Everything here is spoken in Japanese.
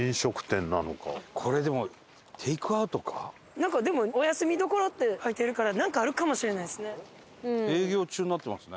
なんかでも「お休み処」って書いてあるからなんかあるかもしれないですね。